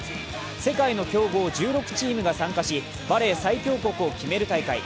世界の強豪１６チームが参加し、バレー最強国を決める大会。